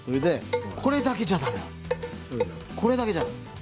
これだけじゃだめなのこれだけじゃ。